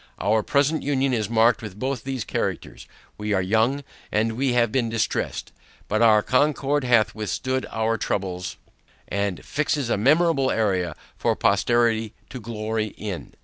Our present union is marked with both these characters: we are young, and we have been distressed; but our concord hath withstood our troubles, and fixes a memorable area for posterity to glory in.